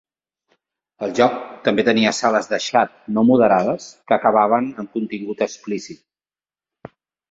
El joc també tenia sales de xat no moderades que acabaven amb contingut explícit.